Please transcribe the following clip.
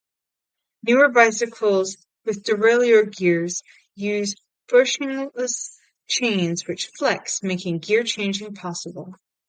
Newer bicycles with derailleur gears use bushingless chains which flex, making gear changing possible.